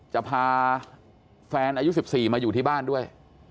จะพาแฟนอายุ๑๔มาอยู่ที่บ้านด้วย